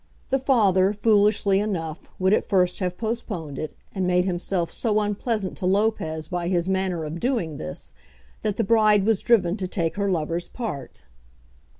The father, foolishly enough, would at first have postponed it, and made himself so unpleasant to Lopez by his manner of doing this, that the bride was driven to take her lover's part.